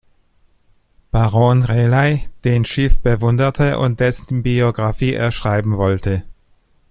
Baron Rayleigh, den Schiff bewunderte und dessen Biographie er schreiben wollte.